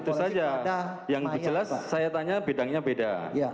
itu saja yang jelas saya tanya bidangnya beda